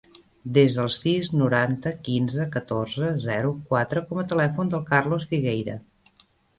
Desa el sis, noranta, quinze, catorze, zero, quatre com a telèfon del Carlos Figueira.